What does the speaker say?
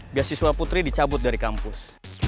beasiswa putri dicabut dari kampus